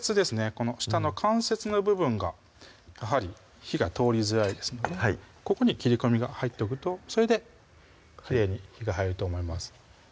この下の関節の部分がやはり火が通りづらいですのでここに切り込みが入っておくとそれできれいに火が入ると思います